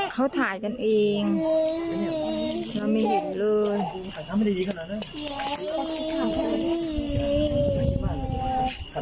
เขาถ่ายกันเองแล้วไม่เห็นเลย